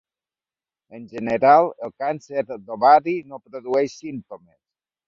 En general, el càncer d'ovari no produeix símptomes.